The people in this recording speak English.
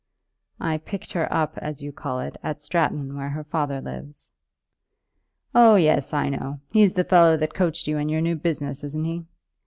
"I picked her up, as you call it, at Stratton, where her father lives." "Oh, yes; I know. He's the fellow that coached you in your new business, isn't he?